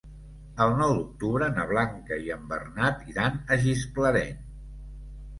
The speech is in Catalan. El nou d'octubre na Blanca i en Bernat iran a Gisclareny.